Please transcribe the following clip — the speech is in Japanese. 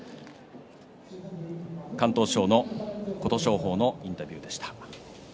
敢闘賞の琴勝峰のインタビューでした。